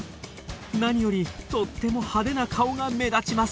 何よりとっても派手な顔が目立ちます。